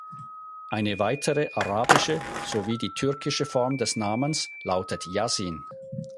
Eine weitere arabische sowie die türkische Form des Namens lautet Yasin.